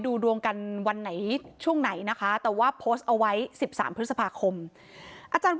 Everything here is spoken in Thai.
ดูแบบว่าจะซื้อบ้านนะอีก๔เดือน